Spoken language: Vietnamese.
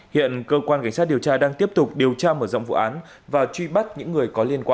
hiện cơ quan cảnh sát điều tra đang tiếp tục điều tra mở rộng vụ án và truy bắt những người có liên quan